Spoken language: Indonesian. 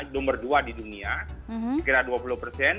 nomor dua di dunia sekitar dua puluh persen